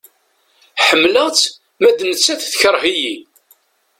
Ḥemleɣ-tt ma d nettat tekreh-iyi.